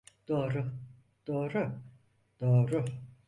Doğru, doğru, doğru.